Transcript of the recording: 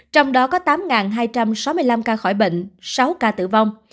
trong đó có tám hai trăm sáu mươi năm ca khỏi bệnh sáu ca tử vong